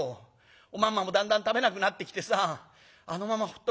おまんまもだんだん食べなくなってきてさあのままほっ